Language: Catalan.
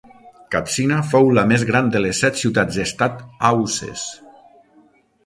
Katsina fou la més gran de les set ciutats estat hausses.